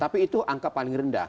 tapi itu angka paling rendah